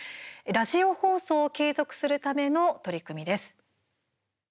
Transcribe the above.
ラジオ放送を継続するための取り組みです。